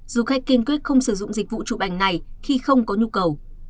du khách kiên quyết không sử dụng dịch vụ chụp ảnh này khi không có nhu cầu